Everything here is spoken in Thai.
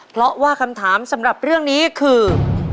เพราะว่าคำถามสำหรับเรื่องนี้คือ